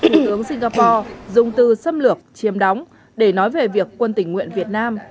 thủ tướng singapore dùng từ xâm lược chiêm đóng để nói về việc quân tình nguyện việt nam